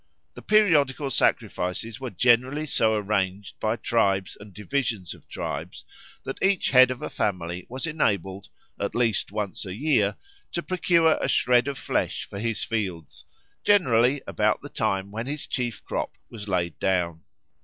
The periodical sacrifices were generally so arranged by tribes and divisions of tribes that each head of a family was enabled, at least once a year, to procure a shred of flesh for his fields, generally about the time when his chief crop was laid down.